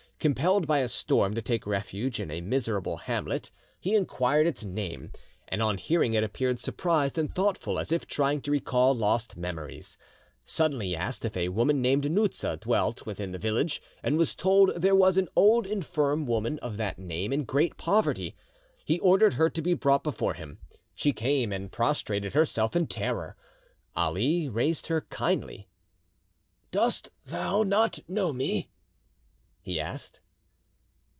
Compelled by a storm to take refuge in a miserable hamlet, he inquired its name, and on hearing it appeared surprised and thoughtful, as if trying to recall lost memories. Suddenly he asked if a woman named Nouza dwelt in the village, and was told there was an old infirm woman of that name in great poverty. He ordered her to be brought before him. She came and prostrated herself in terror. Ali raised her kindly. "Dost thou not know me?" he asked.